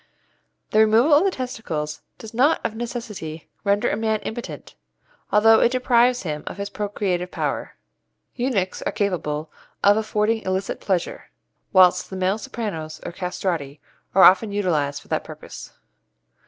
The removal of the testicles does not of necessity render a man impotent, although it deprives him of his procreative power. Eunuchs are capable of affording illicit pleasure, whilst the male sopranos, or castrati, are often utilized for that purpose.